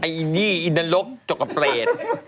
ไอ้นี่ไอ้นรกจกกะเปรต